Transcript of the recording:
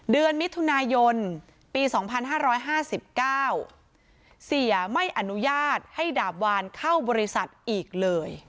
เดือนมิถุนายนปี๒๕๕๙เสียไม่อนุญาตให้ดาบวานเข้าบริษัทอีกเลย